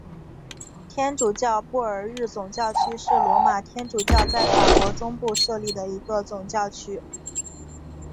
天主教布尔日总教区是罗马天主教在法国中部设立的一个总教区。